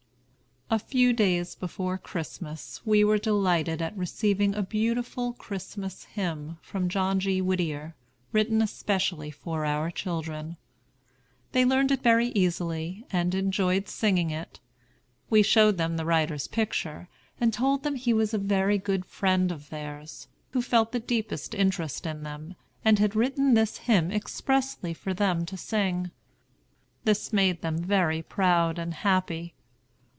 A few days before Christmas we were delighted at receiving a beautiful Christmas Hymn from John G. Whittier, written especially for our children. They learned it very easily, and enjoyed singing it. We showed them the writer's picture, and told them he was a very good friend of theirs, who felt the deepest interest in them, and had written this Hymn expressly for them to sing. This made them very proud and happy.